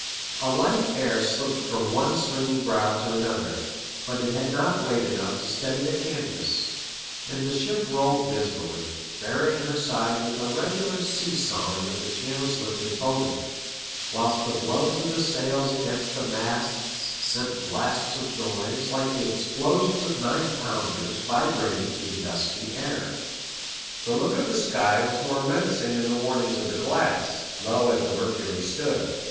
A light air slipped from one swinging brow to another ; but it had not weight enough to steady the canvas, and the ship rolled dismally, buryii^g her sides with a regular see sawing of the channels lifted foaming; whilst the blows of the sails against the masts sent blasts of noise, like the explosions of nine pounders, vibrating through the dusky air. The look of the sky was more menacing than the warnings of the glass, low as the mercury stood.